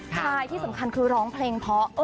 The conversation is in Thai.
ใช่ที่สำคัญคือร้องเพลงเพราะ